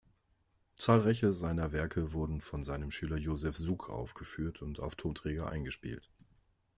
Zahlreiche seiner Werke wurden von seinem Schüler Josef Suk aufgeführt und auf Tonträger eingespielt.